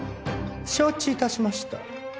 承知致しました。